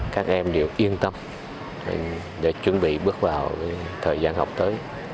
các em đều yên tâm để chuẩn bị bước vào thời gian học tới